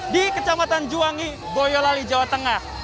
di kecamatan juwangi boyolali jawa tengah